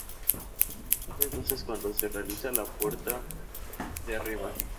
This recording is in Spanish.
Es entonces cuando se realiza la puerta de arriba.